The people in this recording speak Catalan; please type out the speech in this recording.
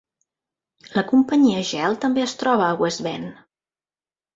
La companyia Gehl també es troba a West Bend.